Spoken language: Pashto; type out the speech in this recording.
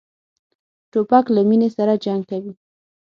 توپک له مینې سره جنګ کوي.